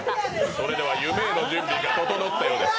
それでは夢への準備が整ったようです。